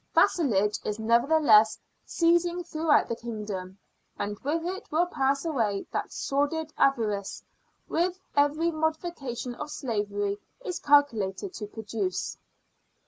Vassalage is nevertheless ceasing throughout the kingdom, and with it will pass away that sordid avarice which every modification of slavery is calculated to produce.